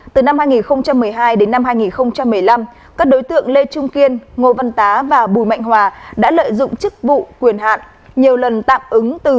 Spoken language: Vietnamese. từ năm hai nghìn một mươi hai đến năm hai nghìn một mươi năm các đối tượng lê trung kiên ngô văn tá và bùi mạnh hòa đã lợi dụng chức vụ quyền hạn nhiều lần tạm ứng